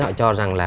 họ cho rằng là